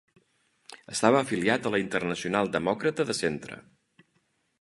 Estava afiliat a la Internacional Demòcrata de Centre.